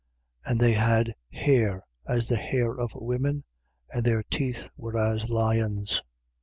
9:8. And they had hair as the hair of women: and their teeth were as lions.